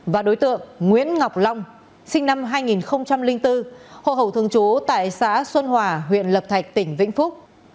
và đối tượng nguyễn ngọc long sinh năm hai nghìn bốn hồ hậu thường trú tại xã xuân hòa huyện lập thạch tỉnh vĩnh phúc